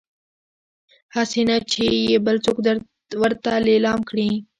هسي نه چې يې بل څوک ورته ليلام کړي